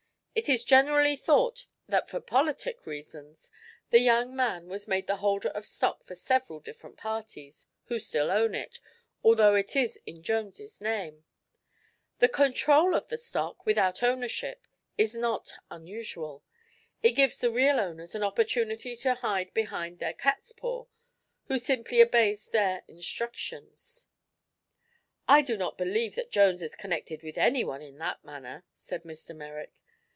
It is generally thought that for politic reasons the young man was made the holder of stock for several different parties, who still own it, although it is in Jones' name. The control of stock without ownership is not unusual. It gives the real owners an opportunity to hide behind their catspaw, who simply obeys their instructions." "I do not believe that Jones is connected with anyone in that manner," said Mr. Merrick.